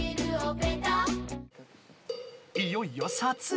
いよいよ撮影。